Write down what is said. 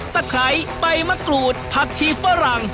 ไขใบมะกรูดผักชีฝรั่ง